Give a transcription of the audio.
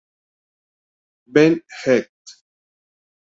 Ben Hecht.